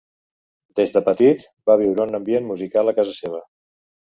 Des de petit va viure un ambient musical a casa seva.